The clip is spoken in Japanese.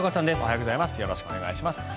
よろしくお願いします。